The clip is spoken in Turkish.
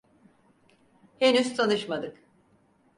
Henüz tanışmadık.